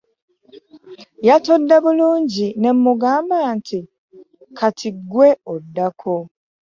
Yatudde bulungi ne mmugamba nti, “Kati ggwe oddako.